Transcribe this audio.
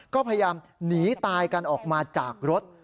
ก็พยายามหนีตายกันออกมาจากรถ